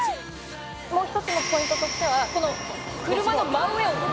「もう一つのポイントとしてはこの車の真上を」